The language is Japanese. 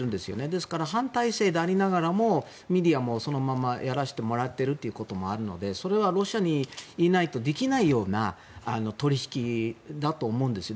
ですから、反体制でありながらもメディアもそのままやらせてもらってるってこともあるのでそれはロシアにいないとできないような取引だと思うんです。